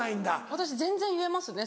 私全然言えますね